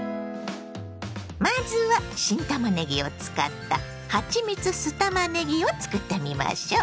まずは新たまねぎを使った「はちみつ酢たまねぎ」を作ってみましょ。